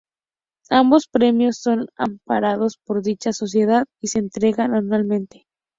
Ambos premios son amparados por dicha sociedad y se entregan anualmente.